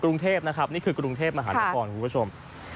กรุงเทพนะครับนี่คือกรุงเทพมหานครคุณผู้ชม